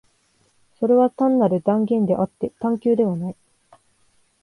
それは単なる断言であって探求ではない。